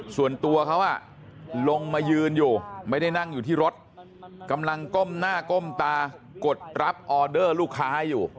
ส่วนตัวเขาลงมายืนอยู่ไม่ได้นั่งอยู่ที่รถกำลังก้มหน้าก้มตากดรับออเดอร์ลูกค้าอยู่